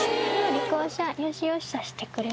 よしよしさせてくれる。